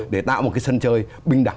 để tạo một cái sân chơi bình đẳng